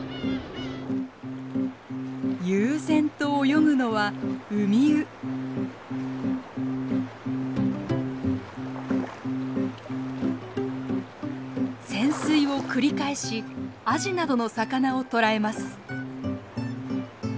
悠然と泳ぐのは潜水を繰り返しアジなどの魚を捕らえます。